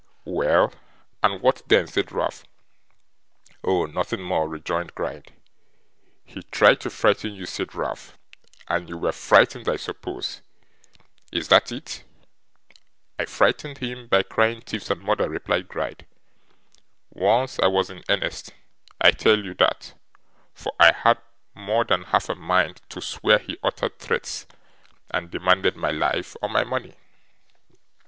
'Well, and what then?' said Ralph. 'Oh! nothing more,' rejoined Gride. 'He tried to frighten you,' said Ralph, 'and you WERE frightened I suppose; is that it?' 'I frightened HIM by crying thieves and murder,' replied Gride. 'Once I was in earnest, I tell you that, for I had more than half a mind to swear he uttered threats, and demanded my life or my money.